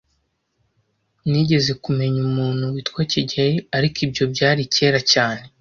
Nigeze kumenya umuntu witwa kigeli, ariko ibyo byari kera cyane.